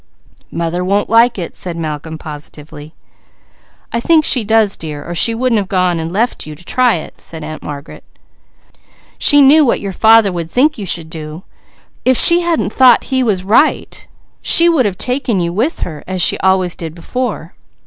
"Mother won't like it," said Malcolm positively. "I think she does dear, or she wouldn't have gone and left you to try it," said Aunt Margaret. "She knew what your father would think you should do; if she hadn't thought he was right she would have taken you with her, as before."